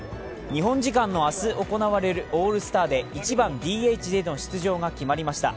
日本時間の明日行われるオールスターで１番・ＤＨでの出場が決まりました。